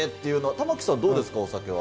玉城さん、どうですか、お酒は。